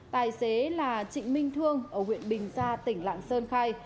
tài xế là trịnh minh thương ở huyện bình gia tỉnh lạng sơn khai